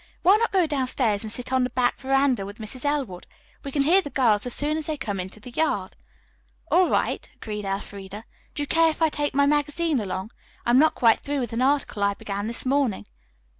"Why not go downstairs and sit on the back veranda with Mrs. Elwood? We can hear the girls as soon as they come into the yard." "All right," agreed Elfreda. "Do you care if I take my magazine along? I am not quite through with an article I began this morning."